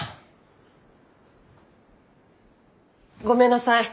ごめんなさい。